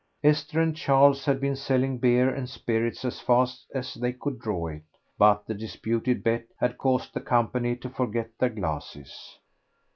Esther and Charles had been selling beer and spirits as fast as they could draw it, but the disputed bet had caused the company to forget their glasses.